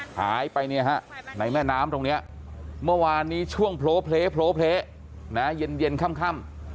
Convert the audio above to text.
หายไปเนี่ยฮะในแม่น้ำตรงเนี้ยเมื่อวานนี้ช่วงโผล่เพลย์โผล่เพลย์นะเย็นเย็นค่ำค่ำ